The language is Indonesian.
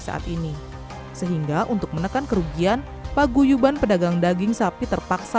saat ini sehingga untuk menekan kerugian paguyuban pedagang daging sapi terpaksa